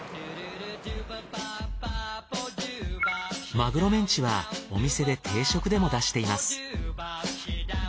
まぐろメンチはお店で定食でも出しています。